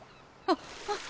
あっあっ。